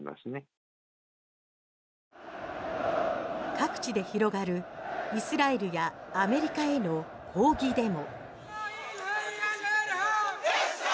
各地で広がるイスラエルやアメリカへの抗議デモ。